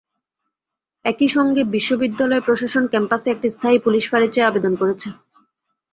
একই সঙ্গে বিশ্ববিদ্যালয় প্রশাসন ক্যাম্পাসে একটি স্থায়ী পুলিশ ফাঁড়ি চেয়ে আবেদন করেছে।